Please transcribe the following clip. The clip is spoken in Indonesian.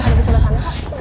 ada di sebelah sana pak